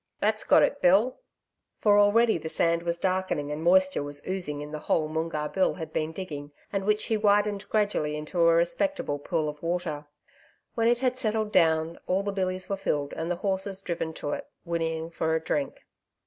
That's got it, Bill!' For already the sand was darkening and moisture was oozing in the hole Moongarr Bill had been digging, and which he widened gradually into a respectable pool of water. When it had settled down, all the billies were filled and the horses driven to it, whinnying for a drink.